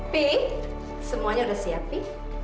pi semuanya udah siap pi